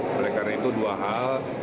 mereka itu dua hal